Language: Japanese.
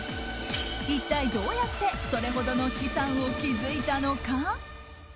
一体、どうやってそれほどの資産を築いたのか？